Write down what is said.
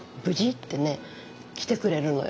ってね来てくれるのよ。